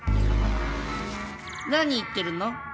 何言ってるの？